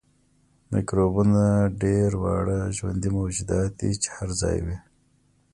میکروبونه ډیر واړه ژوندي موجودات دي چې هر ځای وي